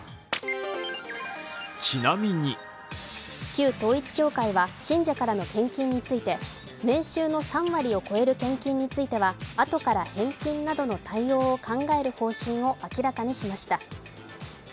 旧統一教会は、信者からの献金について、年収の３割を超える献金についてはあとから返金などの対応を考える方針を明らかにしました。